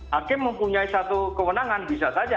hakim mempunyai satu kewenangan bisa saja